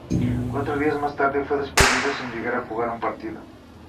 Cuatro días más tarde fue despedido sin llegar a jugar un partido.